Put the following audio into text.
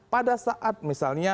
pada saat misalnya